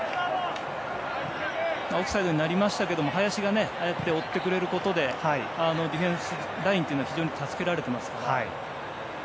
オフサイドになりましたが林が、ああやって追ってくれることでディフェンスラインは非常に助けられています。